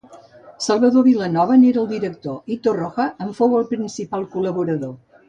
Salvador Vilanova n'era el director i Torroja en fou el principal col·laborador.